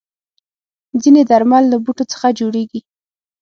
ځینې درمل له بوټو څخه جوړېږي.